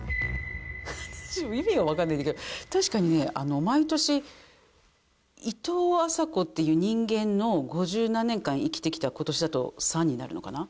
私も意味がわかんないんだけど確かにね毎年いとうあさこっていう人間の五十何年間生きてきた今年だと５３になるのかな？